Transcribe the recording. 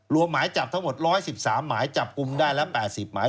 หมายจับทั้งหมด๑๑๓หมายจับกลุ่มได้ละ๘๐หมาย